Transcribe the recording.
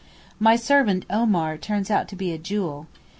My servant Omar turns out a jewel.